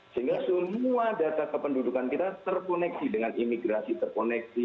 sehingga semua data kependudukan kita terkoneksi dengan imigrasi terkoneksi